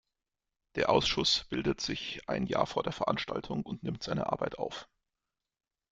Der Ausschuss bildet sich ein Jahr vor der Veranstaltung und nimmt seine Arbeit auf.